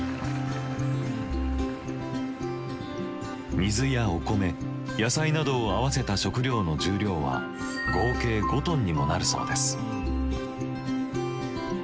水やお米野菜などを合わせた食料の重量は合計５トンにもなるそうです。